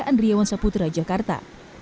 andriyewan saputra jakarta